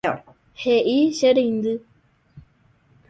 He'i che reindy.